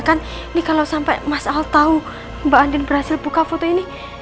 ini kalo sampe mas al tau mbak andin berhasil buka foto ini